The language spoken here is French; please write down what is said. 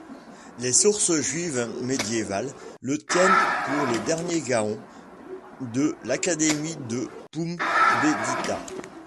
Les sources juives médiévales le tiennent pour le dernier gaon de l'académie de Poumbedita.